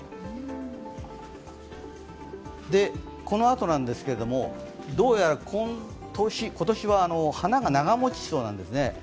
このあとなんですけど、どうやら今年は花が長持ちしそうなんですね。